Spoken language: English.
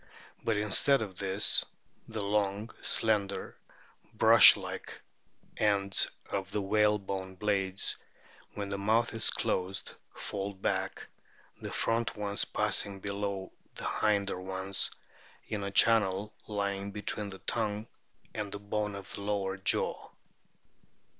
But instead of this, the long, slender, brush like ends of the whalebone blades, when the mouth is closed, fold back, the front ones passing below the hinder ones in a channel lying between the tongue and the bone of the lower jaw.